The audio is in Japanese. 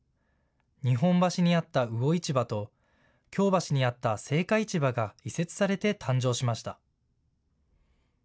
日本橋にあった魚市場と京橋にあった青果市場が移設されて誕生しました。